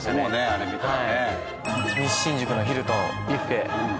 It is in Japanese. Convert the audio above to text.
あれ見たらね。